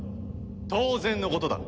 当然のことだ。